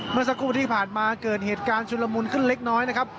เมื่อสักครู่ที่ผ่านมาเกิดเหตุการณ์ชุนละมุนขึ้นเล็กน้อยนะครับ